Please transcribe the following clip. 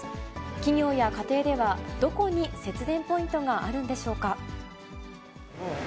企業や家庭ではどこに節電ポイントがあるんでしょうか。